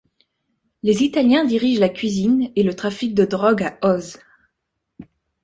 Les Italiens dirigent la cuisine et le trafic de drogue à Oz.